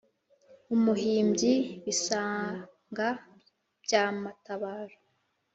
umuhimbyi : bisanga bya matabaro